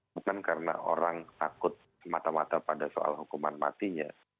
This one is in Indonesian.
bukan karena orang takut semata mata pada soal hukuman matinya